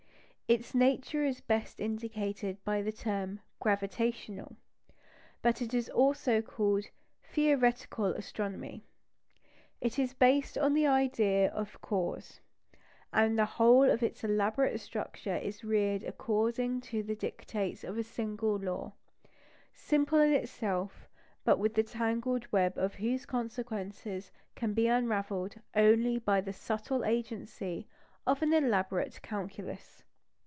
Its nature is best indicated by the term "gravitational"; but it is also called "theoretical astronomy." It is based on the idea of cause; and the whole of its elaborate structure is reared according to the dictates of a single law, simple in itself, but the tangled web of whose consequences can be unravelled only by the subtle agency of an elaborate calculus.